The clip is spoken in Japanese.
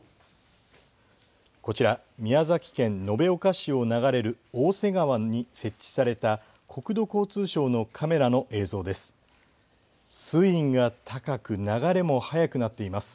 こちら、宮崎県延岡市を流れる大瀬川に設置された国土交通省のカメラの映像です。